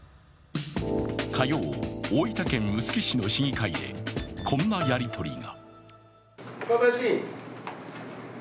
火曜、大分県臼杵市の市議会でこんなやりとりが。